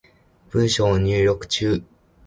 文章入力中